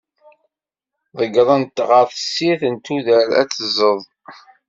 Ḍeggren-t ɣer tessirt n tudert ad t-tezḍ.